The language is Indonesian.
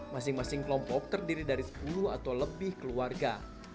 masing masing kelompok terdiri dari sepuluh atau lebih keluarga